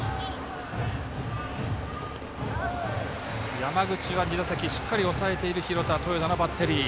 山口を２打席しっかり抑えている廣田、豊田のバッテリー。